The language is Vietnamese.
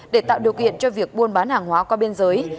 để tạo điều kiện cho việc buôn bán hàng hóa qua biên giới